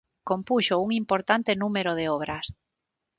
Compuxo un importante número de obras.